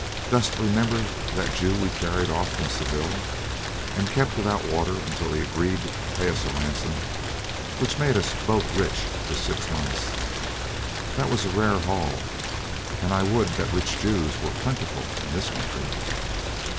Dost remember that Jew we carried off from Seville and kept without water until he agreed to pay us a ransom which made us both rich for six months? That was a rare haul, and I would that rich Jews were plentiful in this country.